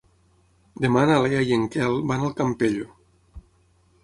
Demà na Lea i en Quel van al Campello.